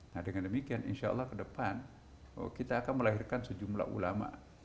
nah dengan demikian insya allah ke depan kita akan melahirkan sejumlah ulama